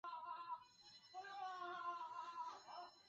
邻苯二甲酸二甲酯可用作蚊子和苍蝇的驱虫剂。